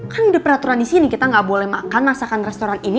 kan udah peraturan disini kita gak boleh makan masakan restoran ini